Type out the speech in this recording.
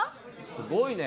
すごいね。